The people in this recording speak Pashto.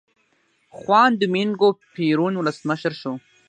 خوان دومینګو پېرون ولسمشر شو.